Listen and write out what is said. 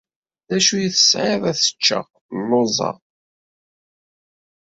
D acu i tesɛiḍ ad t-ččeɣ? Lluẓeɣ.